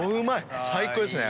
最高ですね！